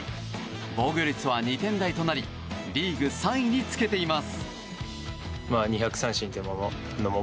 防御率は２点台となりリーグ３位につけています。